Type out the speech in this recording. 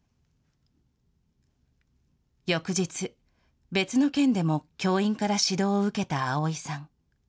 翌日、別の件でも教員から指導を受けた碧さん。